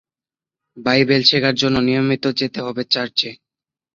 Bible শেখার জন্য নিয়মিত যেতে হতো চার্চে।